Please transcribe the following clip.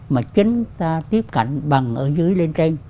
mà chúng ta tiếp cận bằng ở dưới lên cây